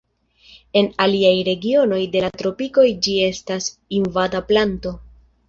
En aliaj regionoj de la Tropikoj ĝi estas invada planto.